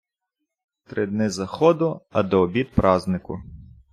Три дни заходу, а до обід празнику.